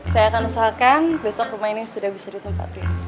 saya akan usahakan besok rumah ini sudah bisa ditempatin